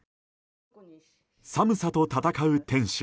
寒さと闘う店主。